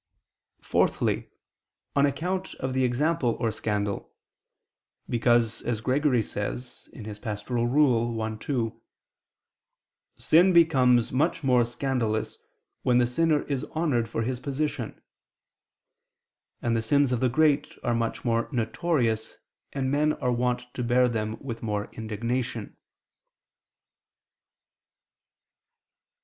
Fourthly, on account of the example or scandal; because, as Gregory says (Pastor. i, 2): "Sin becomes much more scandalous, when the sinner is honored for his position": and the sins of the great are much more notorious and men are wont to bear them with more indignation.